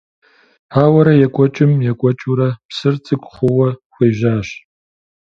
Ауэрэ екӀуэкӀым - екӀуэкӀыурэ, псыр цӀыкӀу хъууэ хуежьащ.